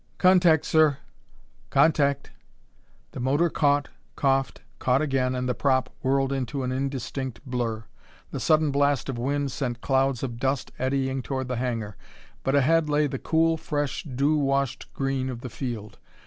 "Contact, sir!" "Contact." The motor caught, coughed, caught again and the prop whirled into an indistinct blur. The sudden blast of wind sent clouds of dust eddying toward the hangar, but ahead lay the cool, fresh, dew washed green of the field.